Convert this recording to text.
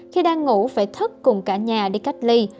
khi đang ngủ phải thất cùng cả nhà đi cách ly